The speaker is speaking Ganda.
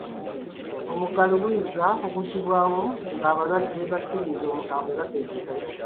Omuggalo guyinza okuggyibwawo ng'abalwadde ba ssennyiga omukambwe bakendedde.